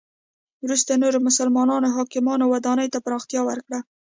وروسته نورو مسلمانو حاکمانو ودانی ته پراختیا ورکړه.